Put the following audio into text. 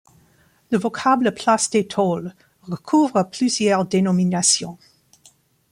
Le vocable Place des Taules recouvre plusieurs dénominations.